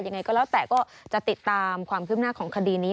ยังไงก็แล้วแต่ก็จะติดตามความคืบหน้าของคดีนี้